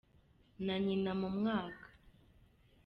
na nyina mu mwaka.